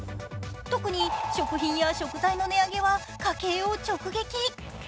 特に食品や食材の値上げは家計を直撃。